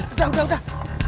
udah udah udah